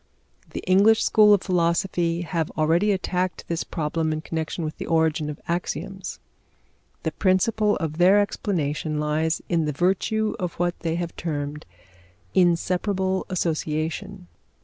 The English school of philosophy have already attacked this problem in connection with the origin of axioms. The principle of their explanation lies in the virtue of what they have termed "inseparable association."